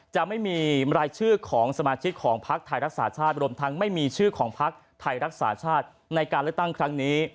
จะไม่มีรายชื่อของสมาชิกของพักไทยรักษาชาติรวมทั้งไม่มีชื่อของพักไทยรักษาชาติในการเลือกตั้งครั้งนี้